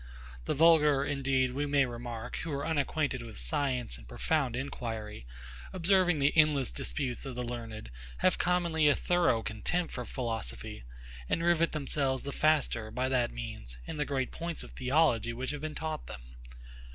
The vulgar, indeed, we may remark, who are unacquainted with science and profound inquiry, observing the endless disputes of the learned, have commonly a thorough contempt for philosophy; and rivet themselves the faster, by that means, in the great points of theology which have been taught them.